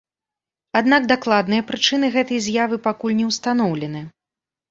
Аднак дакладныя прычыны гэтай з'явы пакуль не ўстаноўлены.